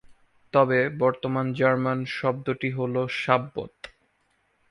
তবে, বর্তমান জার্মান শব্দটি হলো সাব্বত।